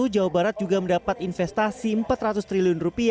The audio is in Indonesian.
jawa barat juga mendapat investasi rp empat ratus triliun